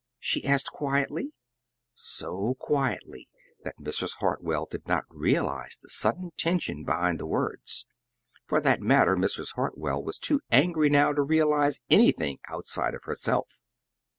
she asked quietly, so quietly that Mrs. Hartwell did not realize the sudden tension behind the words. For that matter, Mrs. Hartwell was too angry now to realize anything outside of herself.